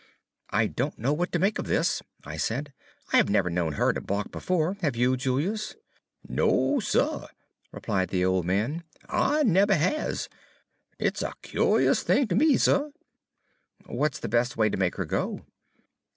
"I don't know what to make of this," I said. "I have never known her to balk before. Have you, Julius?" "No, suh," replied the old man, "I neber has. It's a cu'ous thing ter me, suh." "What's the best way to make her go?"